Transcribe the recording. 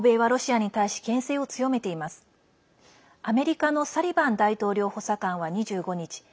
アメリカのサリバン大統領補佐官は２５日